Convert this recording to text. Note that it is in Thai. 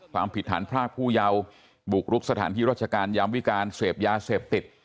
ความผิดฐานพรากผู้เยาว์บุกรุกสถานที่ราชการยามวิการเสพยาเสพติด